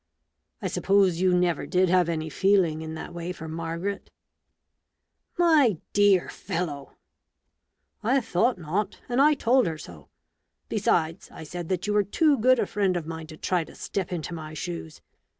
I suppose you never did have any feeling in that way for Margaret ?"" My dear fellow !" "I thought not; and I told her so. Besides, I said that you were too good a friend of mine to try to step into my shoes.